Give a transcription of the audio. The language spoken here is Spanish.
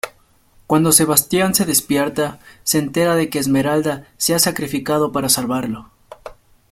Cuando Sebastian se despierta, se entera de que Esmeralda se ha sacrificado para salvarlo.